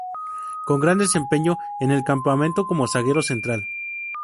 Con gran desempeño en el campeonato como zaguero central.